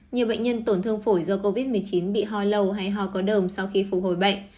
nhiều bệnh nhân tổn thương phổi do covid một mươi chín bị ho lâu hay ho có đồng sau khi phục hồi bệnh